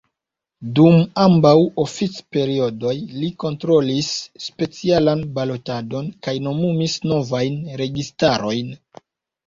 Dum ambaŭ oficperiodoj li kontrolis specialan balotadon kaj nomumis novajn registarojn.